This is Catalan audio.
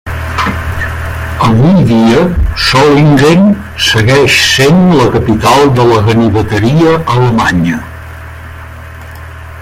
Avui dia, Solingen segueix sent la capital de la ganiveteria alemanya.